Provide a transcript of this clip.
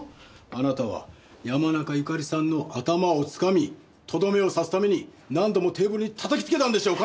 あなたは山中由佳里さんの頭をつかみとどめを刺すために何度もテーブルに叩きつけたんでしょう？